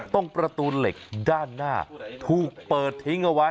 ตรงประตูเหล็กด้านหน้าถูกเปิดทิ้งเอาไว้